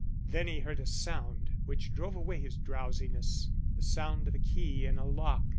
Then he heard a sound which drove away his drowsiness the sound of a key in a lock.